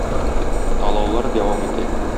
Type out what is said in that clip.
Талаулар дәвам итә.